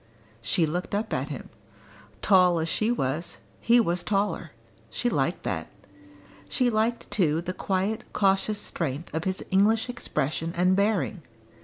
She looked up at him. Tall as she was, he was taller she liked that; she liked too the quiet cautious strength of his English expression and bearing.